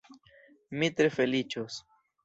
Mi tre feliĉos.